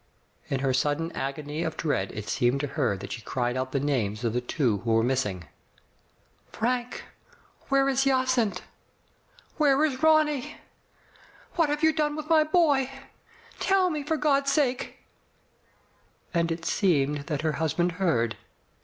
In her sudden agony of dread it seemed to her that she cried out the names of the two who were missing. "Frank, where is Jacynth. Where is Ronny? What have you done with my boy? Tell me, for God's sake?" And it seemed that her husband heard.